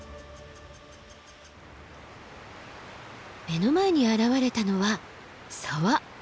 目の前に現れたのは沢。